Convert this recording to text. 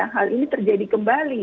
hal ini terjadi kembali